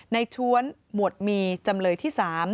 ชวนหมวดมีจำเลยที่๓